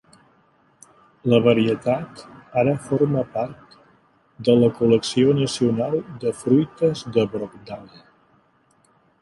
La varietat ara forma part de la Col·lecció Nacional de Fruites de Brogdale.